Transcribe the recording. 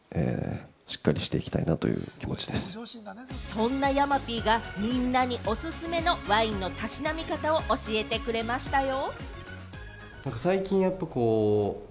そんな山Ｐがみんなにおすすめのワインのたしなみ方を教えてくれましたよ。